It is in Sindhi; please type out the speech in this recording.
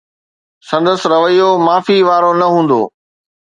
سندس رويو معافي وارو نه هوندو.